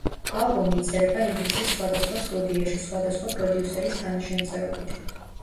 ალბომი იწერებოდა ინგლისის სხვადასხვა სტუდიაში, სხვადასხვა პროდიუსერის თანაშემწეობით.